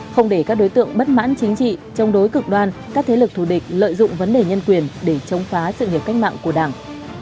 không để các đối tượng bất mãn chính trị chống đối cực đoan các thế lực thù địch lợi dụng vấn đề nhân quyền để chống phá sự nghiệp cách mạng của đảng